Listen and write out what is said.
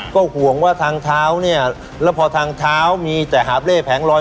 ก็ห่วงว่าทางเท้าเนี่ยแล้วพอทางเท้ามีแต่หาบเล่แผงลอย